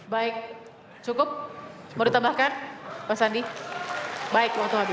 baik cukup mau ditambahkan pak sandi baik waktu habis